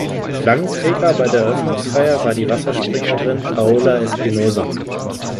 Flaggenträger bei der Eröffnungsfeier war die Wasserspringerin Paola Espinosa.